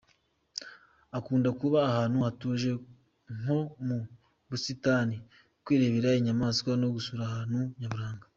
Akunda kuba ahantu hatuje nko mu busitani, kwirebera inyamaswa no gusura ahantu nyaburanga.